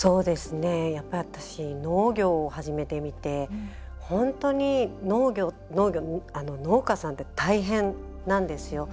やっぱり、私農業を始めてみて本当に農家さんって大変なんですよ。